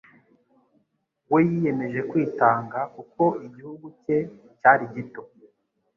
we yiyemeje kwitanga kuko igihugu cye cyari gito